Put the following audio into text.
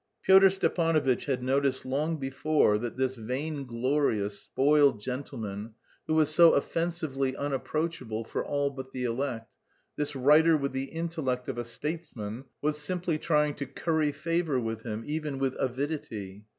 Pyotr Stepanovitch had noticed long before that this vainglorious, spoiled gentleman, who was so offensively unapproachable for all but the elect, this writer "with the intellect of a statesman," was simply trying to curry favour with him, even with avidity.